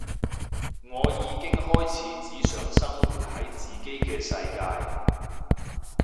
我已經開始只想生活喺自己嘅世界